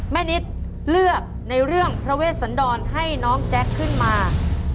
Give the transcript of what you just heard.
แม่นิดเลือกในเรื่องพระเวชสันดรให้น้องแจ๊คขึ้นมาต่อชีวิตนะครับ